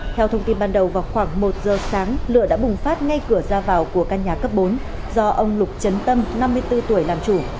theo thông tin ban đầu vào khoảng một giờ sáng lửa đã bùng phát ngay cửa ra vào của căn nhà cấp bốn do ông lục chấn tâm năm mươi bốn tuổi làm chủ